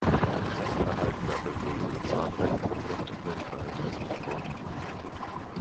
Sein Verhalten dabei wurde von zahlreichen Beobachtern weltweit als unsportlich bewertet.